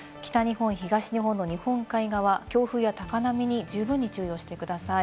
北日本、東日本の日本海側、強風や高波に十分に注意をしてください。